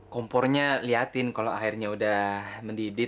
kompornya liatin kalau airnya udah mendidih